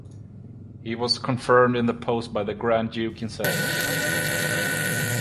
He was confirmed in the post by the Grand Duke himself.